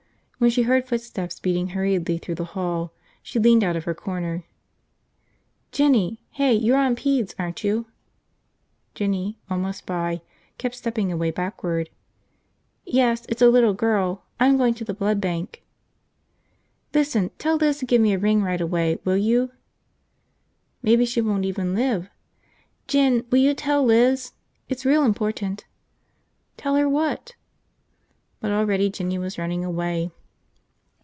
When she heard footsteps beating hurriedly through the hall, she leaned out of her corner. "Jinny? Hey, you're on pedes, aren't you?" Jinny, almost by, kept stepping away backward. "Yes. It's a little girl. I'm going to the blood bank." "Listen, tell Liz to give me a ring right away, will you?" "Maybe she won't even live." "Jin, will you tell Liz? It's real important!" "Tell her what?" But already Jinny was running away.